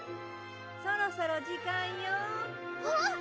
・そろそろ時間よ・あっ！